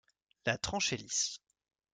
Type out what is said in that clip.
La tranche est lisse.